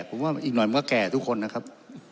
ผมว่าอีกหน่อยมันก็แก่ทุกคนนะครับ